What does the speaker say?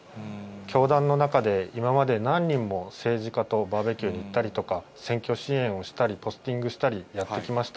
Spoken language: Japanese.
教団の中で今まで何人も、政治家とバーベキューに行ったりとか、選挙支援をしたり、ポスティングしたり、やってきました。